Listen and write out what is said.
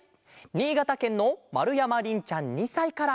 にいがたけんのまるやまりんちゃん２さいから。